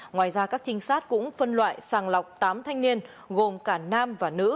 ngoài ra các trinh sát cũng phân loại sàng lọc tám thanh niên gồm cả nam và nữ